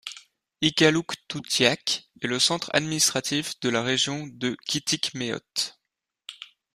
Ikaluktutiak est le centre administratif de la région de Kitikmeot.